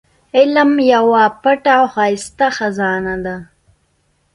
علم يوه پټه او ښايسته خزانه ده.